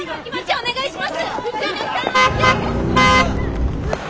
お願いします！